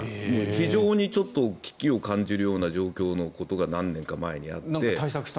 非常に危機を感じるようなことが何年か前にあって。